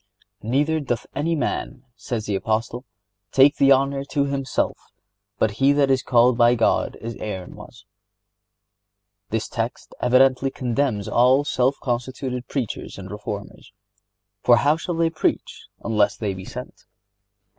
"Neither doth any man," says the Apostle, "take the honor to himself, but he that is called by God, as Aaron was."(73) This text evidently condemns all self constituted preachers and reformers; for, "how shall they preach, unless they be sent?"